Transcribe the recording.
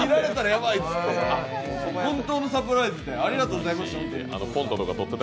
本当のサプライズで、ありがとうございました。